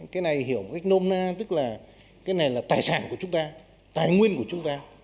cái này hiểu một cách nôm na tức là cái này là tài sản của chúng ta tài nguyên của chúng ta